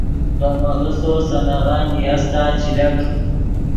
ڤے میغسّو سے نغن نیاستا چے لک